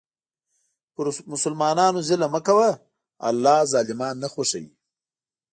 پر مسلمانانو ظلم مه کوه، الله ظالمان نه خوښوي.